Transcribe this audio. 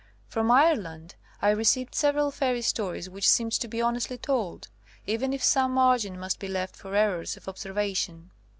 From Ireland I received several fairy stories which seemed to be honestly told, even if some margin must be left for errors of ob servation.